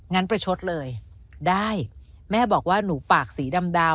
งั้นประชดเลยได้แม่บอกว่าหนูปากสีดำ